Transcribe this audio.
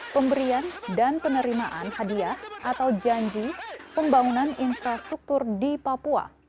pemberian dan penerimaan hadiah atau janji pembangunan infrastruktur di papua